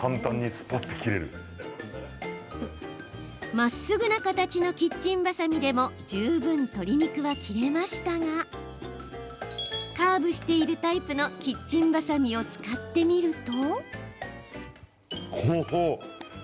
まっすぐな形のキッチンバサミでも十分、鶏肉は切れましたがカーブしているタイプのキッチンバサミを使ってみると。